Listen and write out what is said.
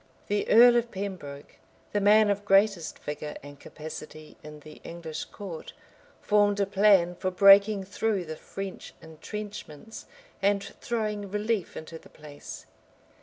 The earl of Pembroke, the man of greatest vigor and capacity in the English court, formed a plan for breaking through the French intrenchments, and throwing relief into the place.